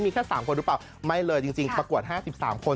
มีแค่๓คนหรือเปล่าไม่เลยจริงประกวด๕๓คน